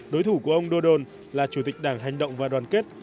đối thủ của ông donald là chủ tịch đảng hành động và đoàn kết